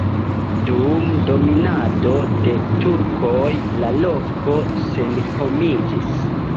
Dum dominado de turkoj la loko senhomiĝis.